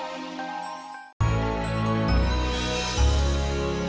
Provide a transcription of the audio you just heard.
jangan lupa like subscribe share dan subscribe